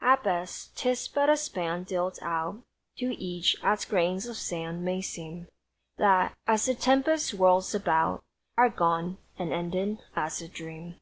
At best, 'tis but a span dealt out To each; as grains of sand may seem That, as the tempest whirls about, Are gone, and ended as a dream!